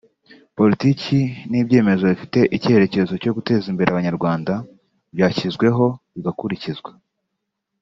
politiki n’ibyemezo bifite ikerekezo cyo guteza imbere abanyarwanda byashyizweho bigakurikizwa